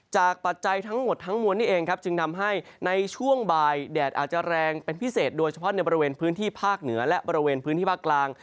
ปัจจัยทั้งหมดทั้งมวลนี่เองครับจึงทำให้ในช่วงบ่ายแดดอาจจะแรงเป็นพิเศษโดยเฉพาะในบริเวณพื้นที่ภาคเหนือและบริเวณพื้นที่ภาคกลาง